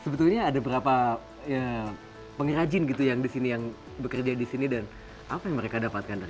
sebetulnya ada berapa pengrajin gitu yang di sini yang bekerja di sini dan apa yang mereka dapatkan dari